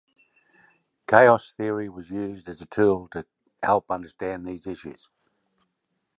Chaos theory was used as a tool to help understand these issues.